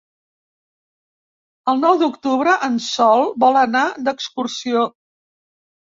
El nou d'octubre en Sol vol anar d'excursió.